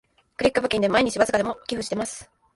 クリック募金で毎日わずかでも寄付してます